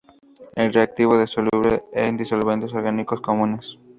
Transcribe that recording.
El reactivo es soluble en disolventes orgánicos comunes.